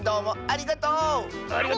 ありがとう！